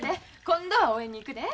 今度は応援に行くで。